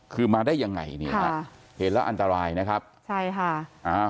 คือมาได้ยังไงนี่ฮะเห็นแล้วอันตรายนะครับใช่ค่ะอ่า